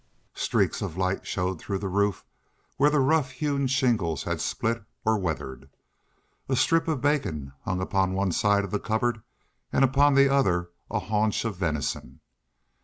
Streaks of light showed through the roof where the rough hewn shingles had split or weathered. A strip of bacon hung upon one side of the cupboard, and upon the other a haunch of venison.